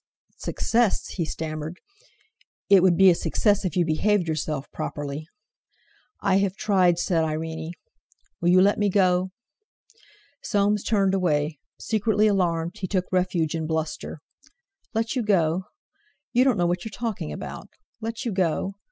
"Success," he stammered—"it would be a success if you behaved yourself properly!" "I have tried," said Irene. "Will you let me go?" Soames turned away. Secretly alarmed, he took refuge in bluster. "Let you go? You don't know what you're talking about. Let you go?